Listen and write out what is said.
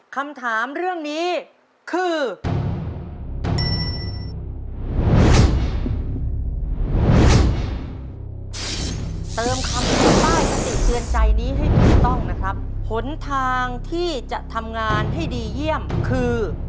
คำถามเรื่องนี้คือ